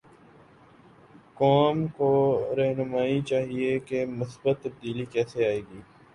قوم کوراہنمائی چاہیے کہ مثبت تبدیلی کیسے آئے گی؟